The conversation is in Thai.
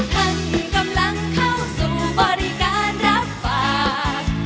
ท่านกำลังเข้าสู่บริการรับฝาก